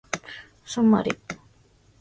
ソマリ